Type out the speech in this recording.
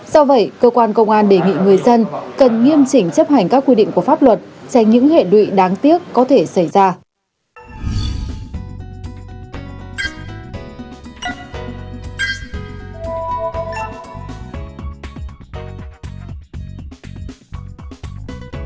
do vậy cơ quan công an đề nghị người dân cần nghiêm chỉnh chấp hành các quy định của pháp luật tránh những hệ lụy đáng tiếc có thể xảy ra